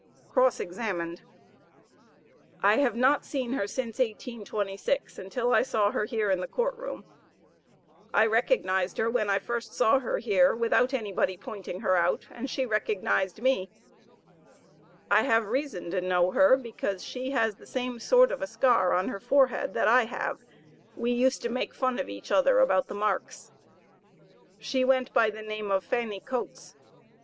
Cross examined. I have not seen her since 1826, until I saw her here in the court room; I recognized her when I first saw her here without anybody pointing her out, and she recognized me; I have reason to know her, because she has the same sort of a scar on her forehead that I have; we used to make fun of each other about the marks; she went by the name of Fanny Coates.